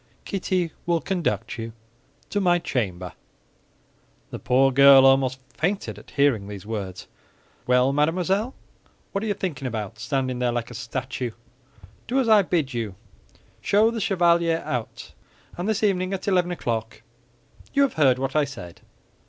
Kitty will conduct you to my chamber." The poor girl almost fainted at hearing these words. "Well, mademoiselle, what are you thinking about, standing there like a statue? Do as I bid you: show the chevalier out; and this evening at eleven o'clock—you have heard what I said."